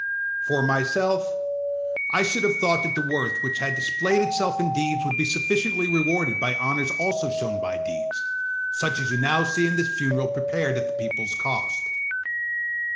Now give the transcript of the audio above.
For myself, I should have thought that the worth which had displayed itself in deeds would be sufficiently rewarded by honours also shown by deeds; such as you now see in this funeral prepared at the peopleâs cost.